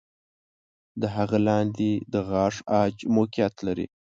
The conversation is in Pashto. د هغه لاندې د غاښ عاج موقعیت لري.